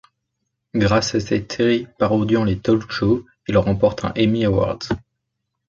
Grâce à cette série parodiant les talk-shows, il remporte un Emmy Award.